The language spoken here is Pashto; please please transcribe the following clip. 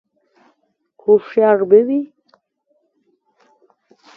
_هوښيار به وي؟